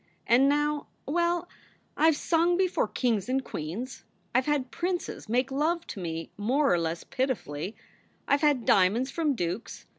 And now well, I ve sung before kings and queens; I ve had princes make love to me more or less pitifully; I ve had diamonds from dukes.